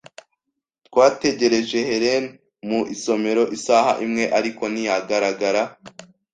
Twategereje Helen mu isomero isaha imwe, ariko ntiyagaragara.